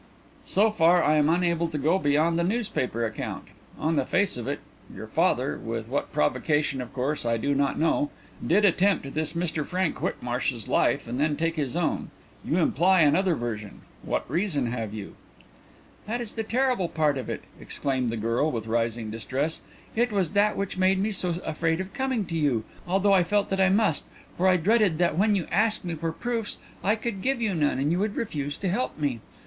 "So far I am unable to go beyond the newspaper account. On the face of it, your father with what provocation of course I do not know did attempt this Mr Frank Whitmarsh's life and then take his own. You imply another version. What reason have you?" "That is the terrible part of it," exclaimed the girl, with rising distress. "It was that which made me so afraid of coming to you, although I felt that I must, for I dreaded that when you asked me for proofs and I could give you none you would refuse to help me.